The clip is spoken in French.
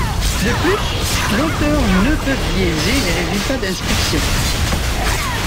De plus, l'auteur ne peut biaiser les résultats d'inspection.